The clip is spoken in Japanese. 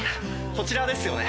こちらですよね？